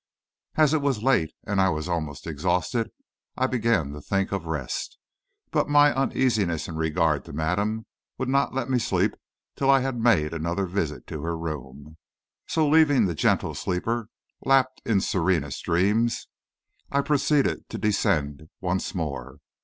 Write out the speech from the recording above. As it was late and I was almost exhausted, I began to think of rest. But my uneasiness in regard to madame would not let me sleep till I had made another visit to her room. So, leaving the gentle sleeper lapped in serenest dreams, I proceeded to descend once more.